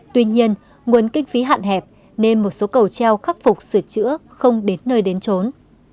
tuy nhiên nguồn kinh phí hạn hẹp nên một số cầu treo khắc phục sửa chữa không đến nơi đến trốn